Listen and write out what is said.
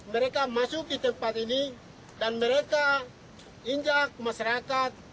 mereka masuk ke tempat ini dan mereka injak masyarakat